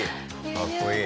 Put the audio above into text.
かっこいい。